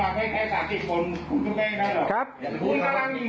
มาย๊ค่ะหัวใจเย็นทุกคน